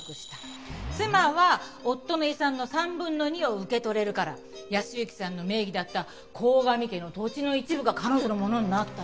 妻は夫の遺産の３分の２を受け取れるから靖之さんの名義だった鴻上家の土地の一部が彼女のものになったのよ。